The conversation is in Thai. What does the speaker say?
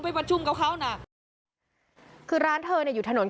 ก็เร่งประชุมหาข้อสรุปแล้วก็สอบถามเรื่องนี้